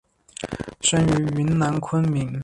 生于云南昆明。